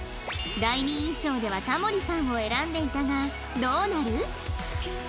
第二印象では田森さんを選んでいたがどうなる？